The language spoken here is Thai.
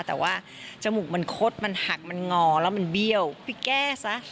แต่ว่าจมูกมันคดมันหักมันงอแล้วมันเบี้ยวไปแก้ซะ